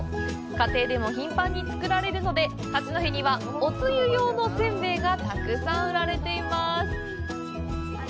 家庭でも頻繁に作られるので、八戸にはおつゆ用のせんべいがたくさん売られています。